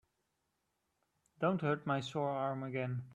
Don't hurt my sore arm again.